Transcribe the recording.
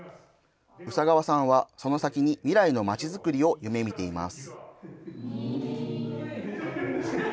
宇佐川さんはその先に未来の町づくりを夢みています。